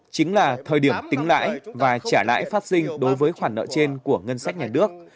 chính là thời điểm tính lãi và trả lãi phát sinh đối với khoản nợ trên của ngân sách nhà nước